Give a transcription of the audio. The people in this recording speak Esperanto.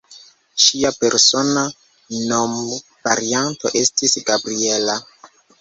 Ŝia persona nomvarianto estis "Gabriella".